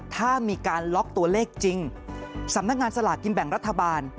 ถ้ามีการล็อกตัวเลขจริงสำนักงานสลากกินแบ่งรัฐบาล